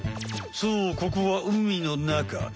そうここは海のなか。